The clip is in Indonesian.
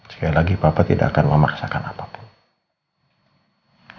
sekali lagi bapak tidak akan memaksakan apapun